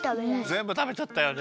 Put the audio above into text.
ぜんぶたべちゃったよね。